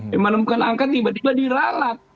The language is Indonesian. memanemukan angka tiba tiba diralat